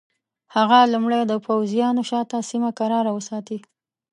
هغه لومړی د پوځیانو شاته سیمه کراره وساتي.